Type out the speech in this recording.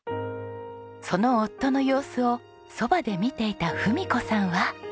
その夫の様子をそばで見ていた文子さんは。